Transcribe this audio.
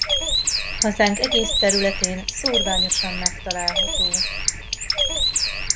Hazánk egész területén szórványosan megtalálható.